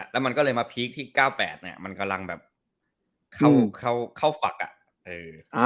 แล้วมันก็เลยมาพีคที่๙๘มันกำลังแบบเข้าฝักอะ